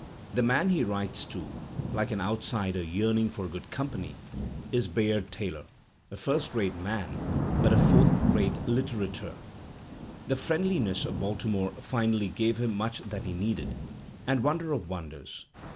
The man he writes to, like an outsider yearning for good company, is Bayard Taylor, a first rate man but a fourth rate litterateur. The friendliness of Baltimore finally gave him much that he needed, and wonder of wonders!